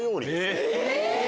えっ⁉